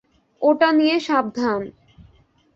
ওটা নিয়ে সাবধান!